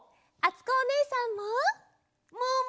あつこおねえさんも！